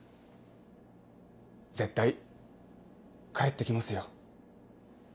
絶対帰って来ますよ。